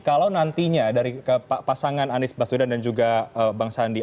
kalau nantinya dari pasangan anies baswedan dan juga bang sandi